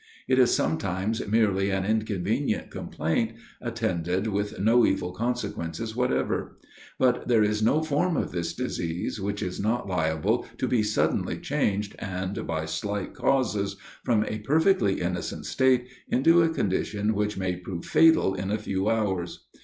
It is sometimes merely an inconvenient complaint, attended with no evil consequences whatever; but there is no form of this disease, which is not liable to be suddenly changed, and by slight causes, from a perfectly innocent state, into a condition which may prove fatal in a few hours.